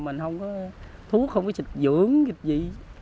mình không có thuốc không có xịt dưỡng kịp gì